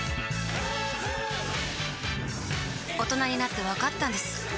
大人になってわかったんです